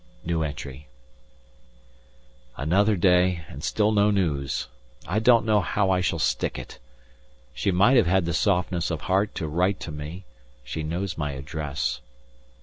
Another day and still no news; I don't know how I shall stick it. She might have had the softness of heart to write to me. She knows my address.